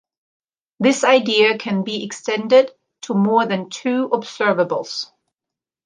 This idea can be extended to more than two observables.